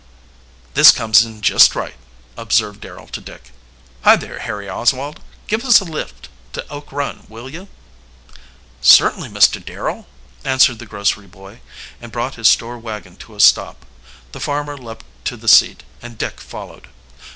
"This comes in just right," observed Darrel to Dick. "Hi there, Harry Oswald. Give us a lift to Oak Run, will you?" "Certainly, Mr. Darrel," answered the grocery boy, and brought his store wagon to a stop. The farmer leaped to the seat, and Dick followed.